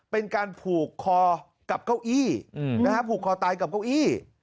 เป็นการผูกคอกับเก้าอี้ผูกคอตายกับเก้าอี้